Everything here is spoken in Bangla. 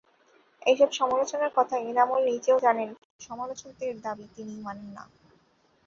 এসব সমালোচনার কথা এনামুল নিজেও জানেন, কিন্তু সমালোচকদের দাবি তিনি মানেন না।